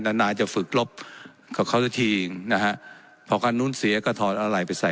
นานานจะฝึกลบเขาเขาจะทิ้งนะฮะพอคันนู้นเสียก็ถอดอาลัยไปใส่